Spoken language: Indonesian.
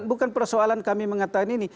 bukan persoalan kami mengatakan ini